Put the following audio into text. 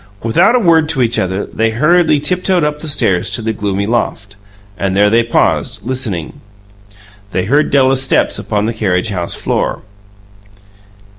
Without a word to each other they hurriedly tiptoed up the stairs to the gloomy loft, and there they paused, listening. They heard Della's steps upon the carriage house floor.